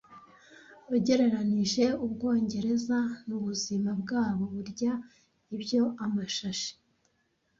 Ugereranyije Ubwongereza mubuzima bwabo burya ibyo Amashashi